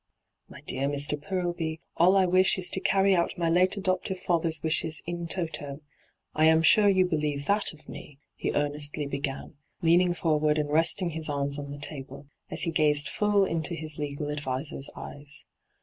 I. G(io>^lc 102 ENTRAPPED ' My dear Mr. Purlby, all I wish is to carry out my late adoptive father's wishes m toto — I am sure you believe that of me,' he earnestly began, leaning forward and resting his arms on the table, as he gazed full into his legal adviser's eyes.